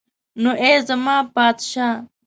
نو ای زما پادشاه.